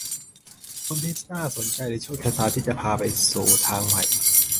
คนที่น่าสนใจหรือโชคชะตาที่จะพาไปสู่ทางใหม่